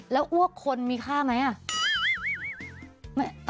แล้วอ้วกคนมีค่าไหมอ่ะ